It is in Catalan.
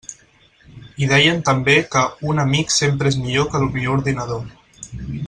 I deien també que «un amic sempre és millor que el millor ordinador».